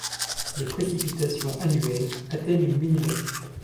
Les précipitations annuelles atteignent millimètres.